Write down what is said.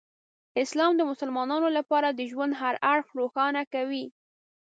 اسلام د مسلمانانو لپاره د ژوند هر اړخ روښانه کوي.